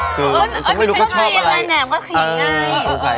คือเค้าไม่แข็งลืมใส่ใจ